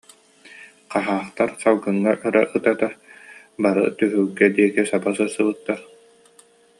Хаһаактар салгыҥҥа өрө ыта-ыта, бары түһүлгэ диэки саба сырсыбыттар